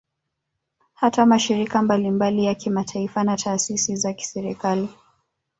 Hata mashirika mbalimbali ya kimataifa na taasisi za kiserikali